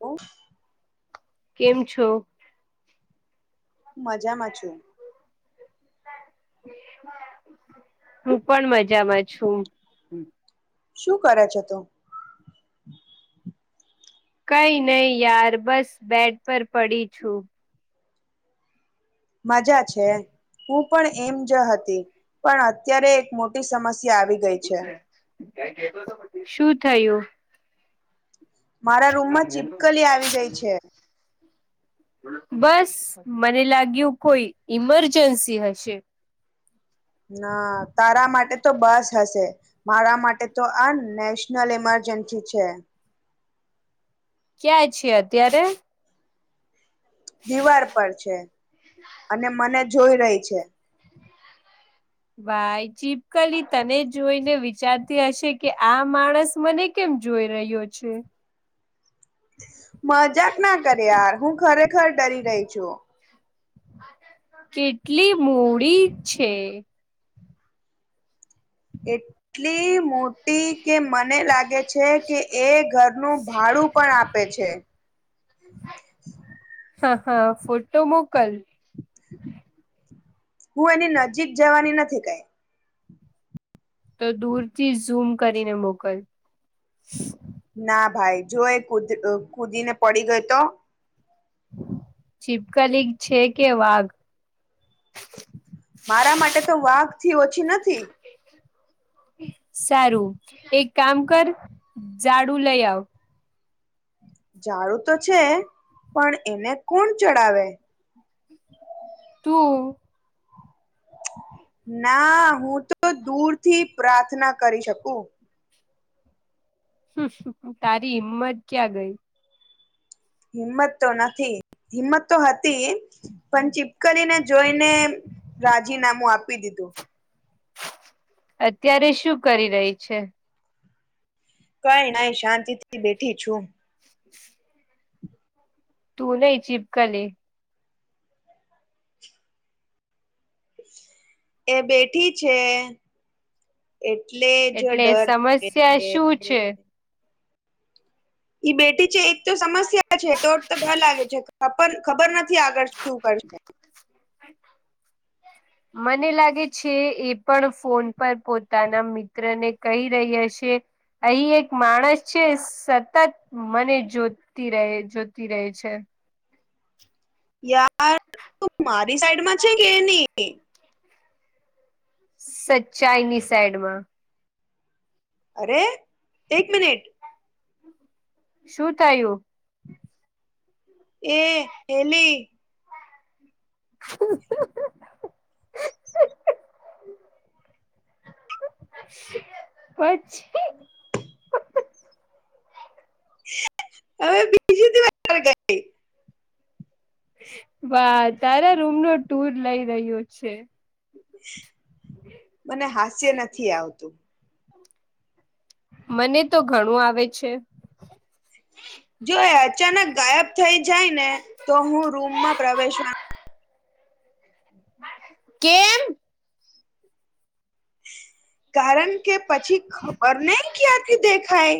ઓ. કેમ છો? મજામાં છું. હું પણ મજામાં છું. શું કરે છે તો? કઈ નહી યાર, બસ બેટ પર પડી છું. મજા છે. હું પણ એમ જ હતી પણ અત્યારે એક મોટી સમસ્યા આવી ગઈ છે. શું થયું? મારા રૂમમાં ચિપકલી આવી ગઈ છે. બસ. મને લાગ્યું કોઈ ઈમરજન્સી હશે? ના તારા માટે તો બસ હશે. મારા માટે તો આ નેશનલ ઇમરજન્સી છે. ક્યાં છે અત્યારે? દિવાર પર છે અને મને જોઈ રહી છે. ભાઈ ચીપકલી તને જોઈને વિચારતી હશે કે આ માણસ મને કેમ જોઈ રહ્યો છે? મજાક ના કરે યાર, હું ખરેખર ડરી રહી છું. કેટલી મૂડી છે એટલી મોટી કે મને લાગે છે કે એ ઘરનું ભાડું પણ આપે છે. [inaudible] હા હા ફોટો મોકલ હું એની નજીક જવાની નથી કઈ તો દૂર થી ઝૂમ કરીને મોકલ ના ભાઈ જો એ કુદી કુદીને પડી ગઈ તો ચિપકલીગ છે કે વાઘ મારા માટે તો વાઘ થી ઓછી નથી સારું એક કામ કર ઝાડુ લઈ આવ ઝડું તો છે પણ એને કોણ ચડાવે તું ના હું તો દૂર થી પ્રાર્થના કરી શકું. તારી હિંમત ક્યાં ગઈ હિંમત તો નથી હિંમત તો હતી પણ ચી કરીને જોઈને રાજીનામું આપી દીધું અત્યારે શું કરી રહી છે? કઈ નઈ શાંતિ થી બેઠી છું. તું નહી ચિપકલી એ બેઠી છે એટલે જો એટલે ડર [inaudible] સમસ્યા શું છે ઈ બેટી છે એક તો સમસ્યા છે તો તો [unintelligible] ખબર નથી આગળ શું કરશે મને લાગે છે એ પણ ફોન પર પોતાના મિત્ર ને કહી રહ્યા છે અહી એક માણસ છે સતત મને જોતી રહે જોતી રહે છે યાર તું મારી સાઈડ માં છે કે એની સચ્ચાઈ ની સાઈડ માં અરે એક મિનિટ શું થયું એ પેલી [unintelligible] પછ હવે બીજી દિવ વા તારા રૂમ નો ટુર લઇ રહ્યો છે મને હાસ્ય નથી આવતું મને તો ઘણું આવે છે જો એ અચાનક ગાયબ થઈ જાય ને તો હું રૂમમાં પ્રવેશવા કેમ કારણ કે પછી ખબર નહી ક્યારથી દેખાય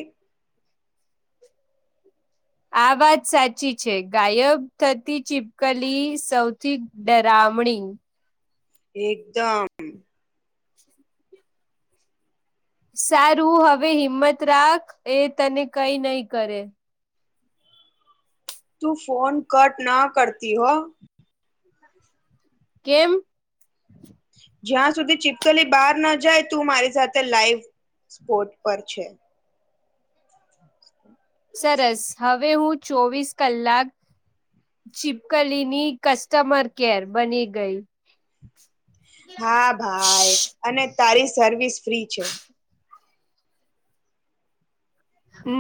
આ વાત સાચી છે ગાયબ થતી ચિપકલી સૌથી ડરામણી એકદમ સારું હવે હિંમત રાખ એ તને કઈ નઈ કરે તું ફોન કટ ના કરતી હ [inaudible] કેમ જ્યાં સુધી ચીપકલી બહાર ન જાય તું મારી સાથે લાઈવ સ્પોટ પર છે. સરસ હવે હું ચોવીસ કલાક ચીપકલીની કસ્ટમરકેર બની ગઈ. હા ભાઈ અને તારી સર્વિસ ફ્રી છે. [inaudible]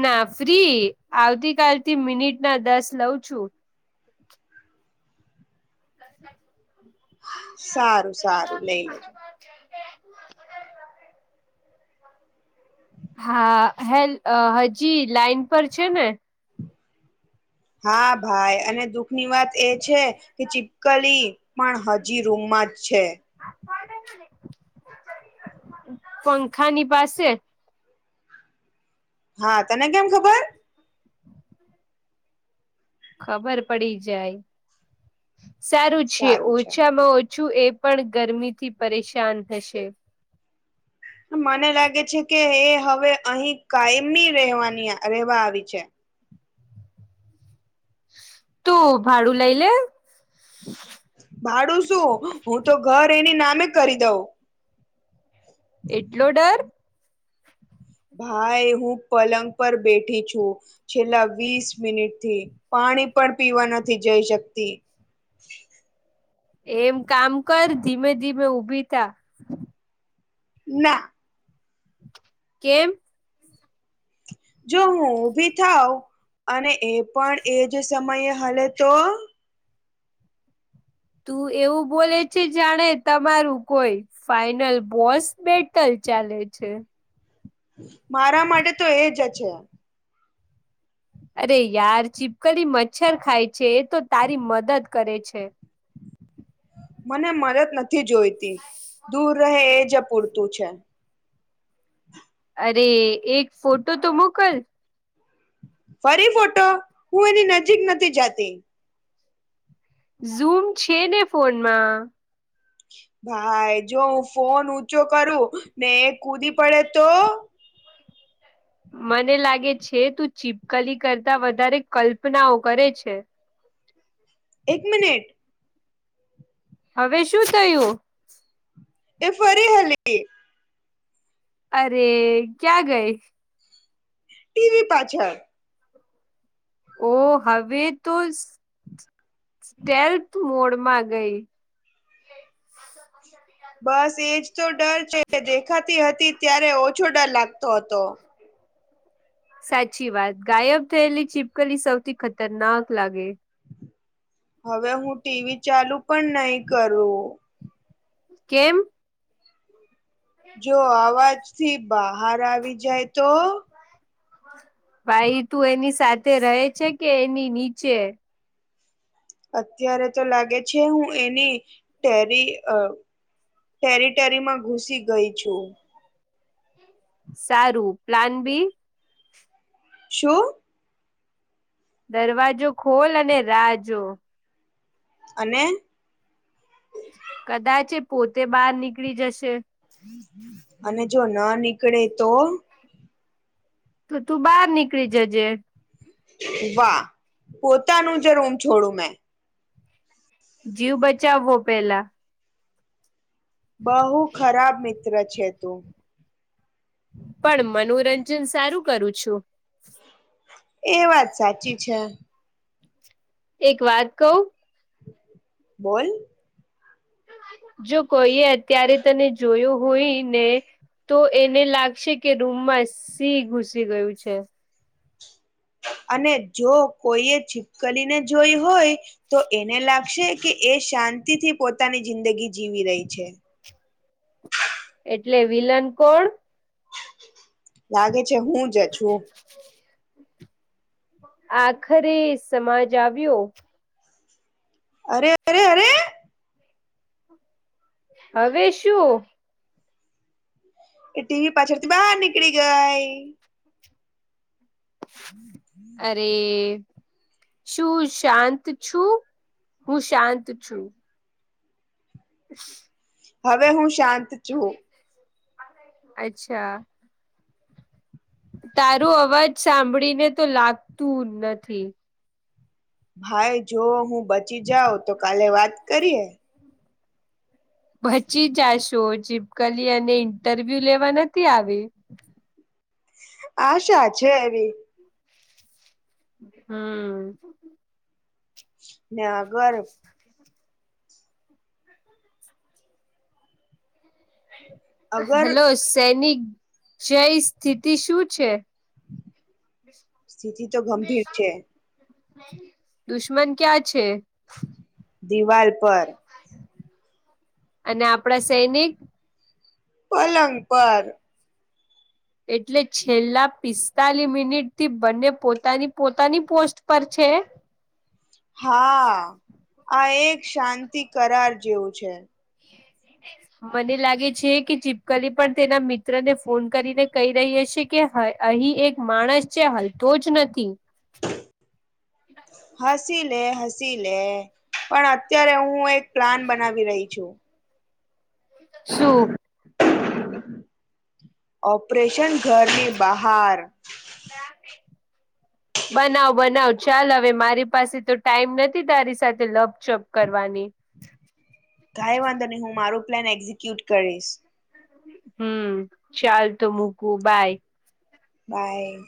ના ફ્રી આવતી કાલથી મિનિટના દસ લઉં છું. સારું સારું લઈ લેજો. હા હેલ હજી લાાઈન પર છે ને હા ભાઈ અને દુઃખની વાત એ છે કે ચીપકલી પણ હજી રૂમમાં જ છે. [inaudible] પંખાની પાસે હા તને કેમ ખબર ખબર પડી જાય, સારું છે ઓછામાં ઓછું એ પણ ગરમીથી પરેશાન થશે. મને લાગે છે કે એ હવે અહી કાયમી રહેવાની રહેેવા આવી જાય. તું ભાડું લઇ લે. ભાડું શું હું તો ઘર એની નામે કરી દઉં. એટલો ડર ભાઈ હું પલંગ પર બેઠી છું. છેલ્લા વીસ મિનિટથી, પાણી પણ પીવા નથી જઈ શકતી. એમ કામ કર ધીમે ધીમે ઊભીથા ના કેમ જો હું ઉભી થાવ. અને એ પણ એજ સમયે હલે તો. તું એવું બોલે છે જાણે તમારું કોઈ ફાઈનલ બોસ બેટલ ચાલે છે. મારા માટે તો એ જ છે. અરે યાર ચીપકલી મચ્છર ખાય છે એ તો તારી મદદ કરે છે. મને મદદ નથી જોઈતી દૂર રહે એ જ પૂરતું છે. અરે એક ફોટો તો મોકલ ફરી ફોટો હું એની નજીક નથી જાતી. ઝૂમ છે ને ફોનમાં. ભાઈ જો હું ફોન ઊંચો કરું ને કૂદી પડે તો. મને લાગે છે તું ચીપકલી કરતા વધારે કલ્પનાઓ કરે છે. એક મિનિટ. હવે શું થયું. એ ફરી હલી અરે ક્યાં ગઇ. ટીવી પાછળ. ઓ હવે તો સ્ટેલ્થ મોડમાં ગઈ. બસ એજ તો ડર છે દેખાતી હતી ત્યારે ઓછો ડર લાગતો હતો. સાચી વાત ગાયબ થયેલી ચીપકલી સૌથી ખતરનાક લાગે. હવે હું ટીવી ચાલુ પણ નહી કરું. કેમ. જો અવાજથી બહાર આવી જાય તો. ભાઈ તું એની સાથે રહે છે કે એની નીચે. અત્યારે તો લાગે છે હું એની ટેરી ટેરિ ટેરીમાં ઘુસી ગઈ છું. સારું પ્લાન બી. શું. દરવાજો ખોલ અને રાહ જો. અને. કદાચ એ પોતે બહાર નીકળી જશે. અને જો ના નીકળે તો. તો તું બહાર નીકળી જજે વાહ પોતાનું જે રૂમ છોડું મેં. જીવ બચાવવો પેલા. બહુ ખરાબ મિત્ર છે તું. પણ મનોરંજન સારું કરું છું. એ વાત સાચી છે. એક વાત કઉ. બોલ. જો કોઈએ અત્યારે તને જોયું હોય ને. તો એને લાગશે કે રૂમમાં સિહ ઘુસી ગયું છે. અને જો કોઈ એ છીપકલી ને જોઈ હોય. તો એને લાગશે કે એ શાંતિથી પોતાની જિંદગી જીવી રહી છે. એટલે વિલન કોણ લાગે છે હું જ છું. [inaudible] આખરી સમાજ આવ્યું. અરે અરે અરે હવે શું? એ ટીવી પાછળથી બહાર નીકળી ગઈ. અરે એ શું શાંત છું? હું શાંત છું. [inaudible] હવે હું શાંત છું. અચ્છા. તારું અવાજ સાંભળીને તો લાગતું નથી. ભાઈ જો હું બચી જાઉ, તો કાલે વાત કરીએ. બચી જશો, ચીપકલી અને ઇન્ટરવ્યુ લેવા નથી આવી. આશા છે એવી. હમ્મ. ના ગર અગર હેલો સૈનિક જય, સ્થિતિ શું છે? સ્થિતિ તો ગંભીર છે. દુશ્મન ક્યાં છે? દિવાલ પર. અને આપણા સૈનિક? પલંગ પર. એટલે છેલ્લા પિસ્તાલી મિનિટ થી બંને પોતાની પોતાની પોસ્ટ પર છે? હા, આ એક શાંતિ કરાર જેવું છે. [inaudible] મને લાગે છે, કે ચીપકલી પણ તેના મિત્ર ને ફોન કરીને કહી રહી હશે કે હ અહી એક માણસ છે, હલતો જ નથી. હસીલે, હસીલે, પણ અત્યારે હું એક પ્લાન બનાવી રહી છું. શું? ઓપરેશન ઘરની બહાર. બનાવ બનાવ. ચાલ હવે, મારી પાસે તો ટાઈમ નથી, તારી સાથે લપચપ કરવાની. કાય વાંધો નહીં હું મારો પ્લાન એક્ઝિક્યુટ કરીશ. હમ્મ, ચાલ તો મુકુ બાય. બાય.